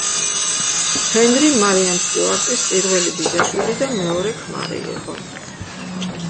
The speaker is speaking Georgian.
ჰენრი მარიამ სტიუარტის პირველი ბიძაშვილი და მეორე ქმარი იყო.